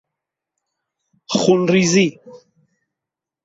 خون ریزی